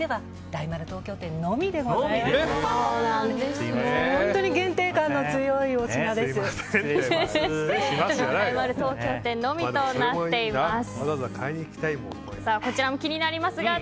大丸東京店のみとなっています。